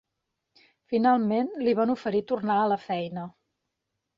Finalment, li van oferir tornar a la feina.